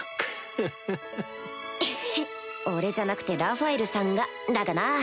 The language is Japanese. フフっ俺じゃなくてラファエルさんがだがな